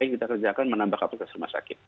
kita kerjakan menambah kapasitas rumah sakit